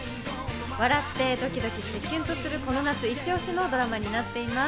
笑ってドキドキしてきゅんとする、この夏イチオシのドラマになっています。